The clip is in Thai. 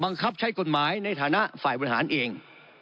ใช้กฎหมายในฐานะฝ่ายบริหารเอง